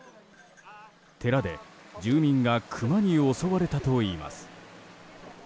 寺で住民がクマに襲われたといいます。